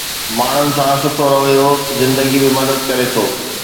ماڻهن سان سٺو رويو زندگي ۾ مدد ڪري ٿو